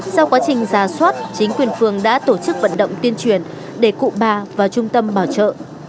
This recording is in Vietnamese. sau quá trình ra soát chính quyền phường đã tổ chức vận động tuyên truyền để cụ bà vào trung tâm bảo trợ